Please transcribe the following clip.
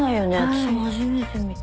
私も初めて見た。